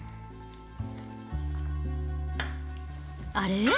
あれ？